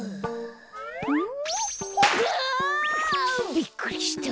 びっくりした。